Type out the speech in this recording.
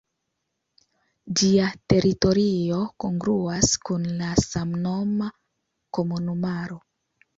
Ĝia teritorio kongruas kun la samnoma komunumaro.